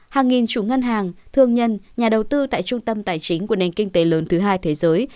hàng nghìn chủ ngân hàng thương nhân nhà đầu tư tại trung tâm tài chính của nền kinh tế lớn thứ hai thế giới